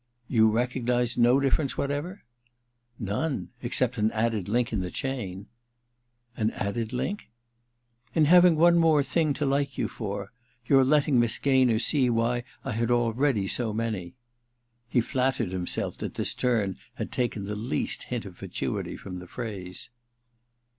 * You recognize no difference whatever ?'* None — except an added link in the chain.' * An added link ?'* In having one more thing to like you for — your letting Miss Gaynor see why I had already so many.' He flattered himself that this turn had taken the least hint of fatuity from the phrase.